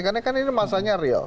karena ini kan masanya real